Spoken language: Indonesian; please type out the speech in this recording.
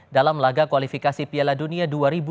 dalam laga kualifikasi piala dunia dua ribu dua puluh